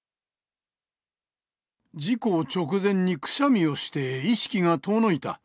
事故直前にくしゃみをして、意識が遠のいた。